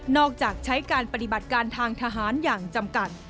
จากใช้การปฏิบัติการทางทหารอย่างจำกัด